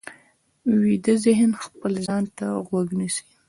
ویده ذهن خپل ځان ته غوږ نیسي